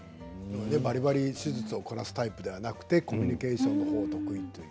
バリバリ手術をこなすタイプではなくてコミュニケーションの方得意という。